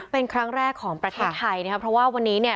เป็นครั้งแรกของประเทศไทยนะครับเพราะว่าวันนี้เนี่ย